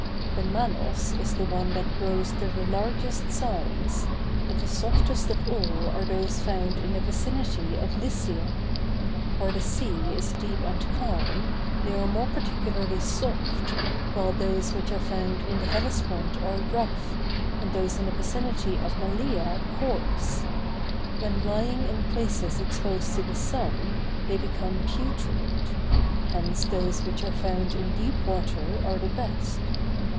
The manos is the one that grows to the largest size, but the softest of all are those found in the vicinity of Lycia. Where the sea is deep and calm, they are more particularly soft, while those which are found in the Hellespont are rough, and those in the vicinity of Malea coarse. When lying in places exposed to the sun, they become putrid: hence those which are found in deep water are the best.